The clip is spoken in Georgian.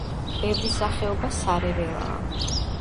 ბევრი სახეობა სარეველაა.